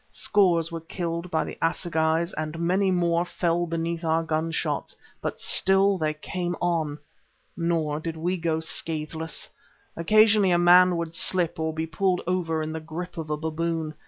Scores were killed by the assegais, and many more fell beneath our gun shots; but still they came on. Nor did we go scathless. Occasionally a man would slip, or be pulled over in the grip of a baboon.